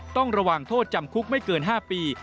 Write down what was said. ต้องระวังโทษจำคุกไม่เกิน๕ปี